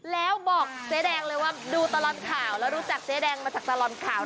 แล้วบอกเจ๊แดงเลยว่าดูตลอดข่าวแล้วรู้จักเจ๊แดงมาจากตลอดข่าว